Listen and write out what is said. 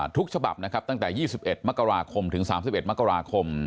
ทุกฉบับนะครับตั้งแต่๒๑มกราคมถึง๓๑มกราคม